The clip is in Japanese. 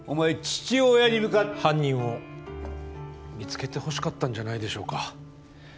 犯人を見つけてほしかったんじゃないでしょうか。